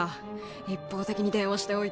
一方的に電話しておいて。